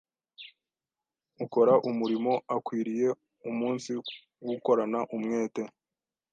Ukora umurimo akwiriye umunsiwukorana umwete,